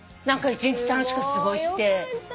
何か一日楽しく過ごして。